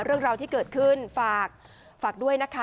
เรื่องราวที่เกิดขึ้นฝากด้วยนะคะ